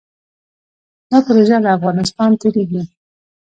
دا پروژه له افغانستان تیریږي